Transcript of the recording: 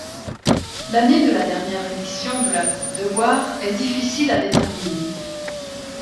L'année de la dernière édition de la Coupe Dewar est difficile à déterminer.